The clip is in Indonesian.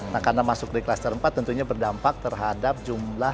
nah karena masuk kelas keempat tentunya berdampak terhadap jumlah fasilitasi dari pemerintah